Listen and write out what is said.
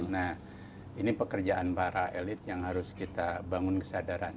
nah ini pekerjaan para elit yang harus kita bangun kesadaran